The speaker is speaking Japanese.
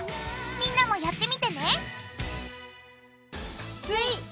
みんなもやってみてね！